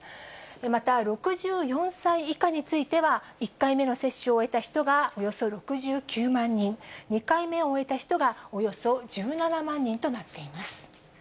また、６４歳以下については、１回目の接種を終えた人がおよそ６９万人、２回目を終えた人がおよそ１７万人となっています。